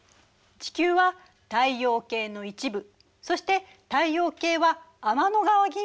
地球は太陽系の一部そして太陽系は天の川銀河の一部。